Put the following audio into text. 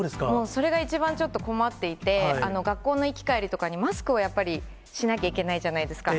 それが一番ちょっと困っていて、学校の行き交えりとかにマスクはやっぱりしなきゃいけないじゃないですか。